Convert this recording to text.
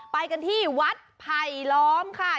ไปกันที่วัดไผลล้อมค่ะ